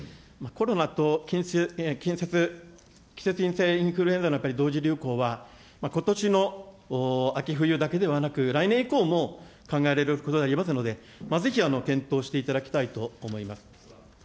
コロナと季節性インフルエンザの同時流行は、ことしの秋冬だけではなく、来年以降も考えられることでありますので、ぜひ検討していただきたいと思います。